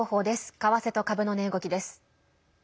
為替と株の値動きです。